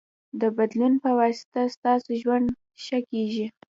د بدلون پواسطه ستاسو ژوند ښه کېږي.